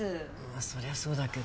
そりゃそうだけど。